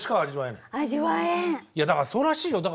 いやだからそうらしいよ。